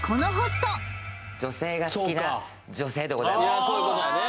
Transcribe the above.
いやそういうことだね